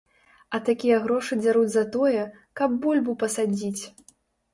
А такія грошы дзяруць за тое, каб бульбу пасадзіць!